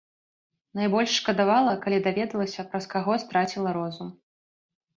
Найбольш шкадавала, калі даведалася, праз каго страціла розум.